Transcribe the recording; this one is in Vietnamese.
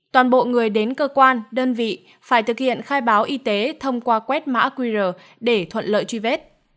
toàn bộ người đến cơ quan đơn vị phải thực hiện khai báo y tế thông qua quét mã qr để thuận lợi truy vết